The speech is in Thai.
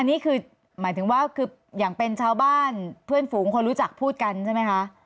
อันนี้คือหมายถึงว่าคืออย่างเป็นชาวบ้านเพื่อนฝูงคนรู้จักพูดกันใช่ไหมคะ